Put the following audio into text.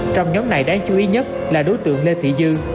trong nhóm này đáng chú ý nhất là đối tượng lê thị dư